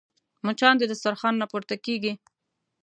مچان د دسترخوان نه پورته کېږي